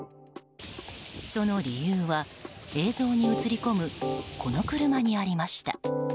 その理由は、映像に映り込むこの車にありました。